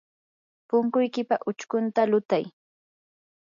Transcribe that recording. punkuykipa uchkunta lutay.